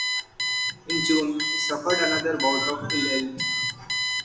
In June he suffered another bout of ill health.